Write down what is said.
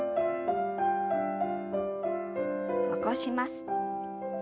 起こします。